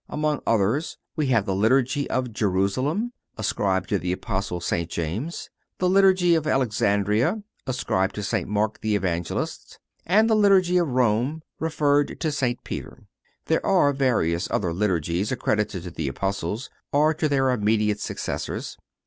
Among others we have the Liturgy of Jerusalem, ascribed to the Apostle St. James; the Liturgy of Alexandria, attributed to St. Mark the Evangelist, and the Liturgy of Rome, referred to St. Peter. There are various other Liturgies accredited to the Apostles or to their immediate successors.